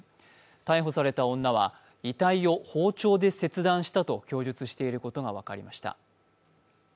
逮捕された女は遺体を包丁で切断したと供述していることが分かりました。